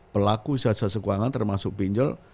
pelaku sesekuangan termasuk pinjol